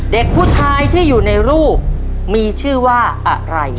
เด็กผู้ชายที่อยู่ในรูปมีชื่อว่าอะไร